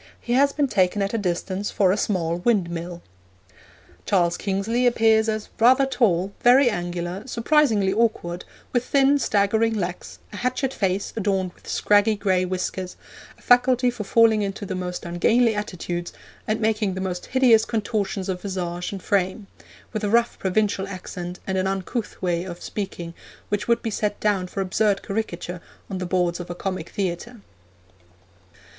He has been taken at a distance for a small windmill.' Charles Kingsley appears as 'rather tall, very angular, surprisingly awkward, with thin staggering legs, a hatchet face adorned with scraggy gray whiskers, a faculty for falling into the most ungainly attitudes, and making the most hideous contortions of visage and frame; with a rough provincial accent and an uncouth way of speaking which would be set down for absurd caricature on the boards of a comic theatre.'